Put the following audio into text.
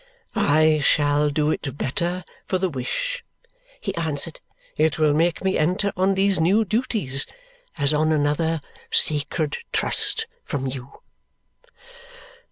"I shall do it better for the wish," he answered; "it will make me enter on these new duties as on another sacred trust from you."